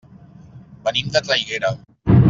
Venim de Traiguera.